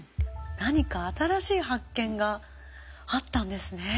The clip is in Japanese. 何か新しい発見があったんですね。